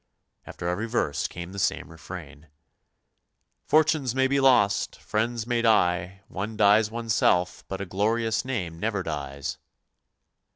After every verse came the same refrain: " Fortunes may be lost, friends may die, one dies oneself, but a glorious name never dies!